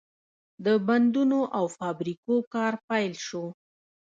د بندونو او فابریکو کار پیل شو.